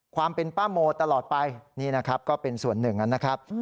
ความเป็นป้าโมตลอดไปนี่นะครับก็เป็นส่วนหนึ่งนะครับ